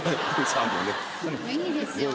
いいですよ